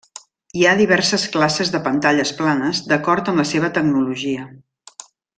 Hi ha diverses classes de pantalles planes d'acord amb la seva tecnologia.